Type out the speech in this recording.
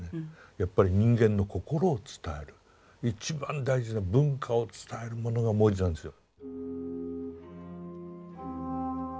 やっぱり人間の心を伝える一番大事な文化を伝えるものが文字なんですよ。